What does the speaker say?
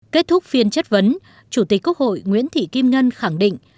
kết thúc phiên chất vấn chủ tịch quốc hội nguyễn thị kim ngân khẳng định